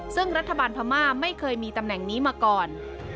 ซึ่งรัฐบาลพม่าไม่เคยมีตำแหน่งนี้มาก่อน